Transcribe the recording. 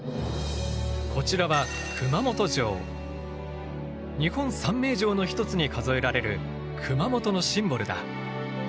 こちらは日本三名城の一つに数えられる熊本のシンボルだ。